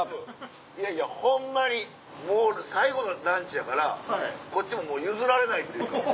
いやいやホンマにもう最後のランチやからこっちも譲られないというか。